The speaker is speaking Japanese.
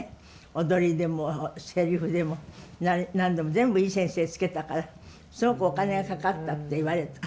踊りでもセリフでも何でも全部いい先生つけたからすごくお金がかかったって言われた。